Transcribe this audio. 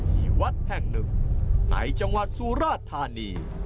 ที่วัดแห่งหนึ่งในจังหวัดสุราธานี